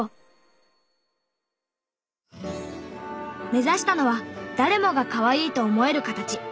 目指したのは誰もがかわいいと思える形。